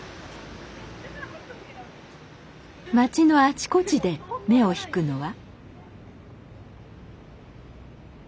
町のあちこちで目を引くのは。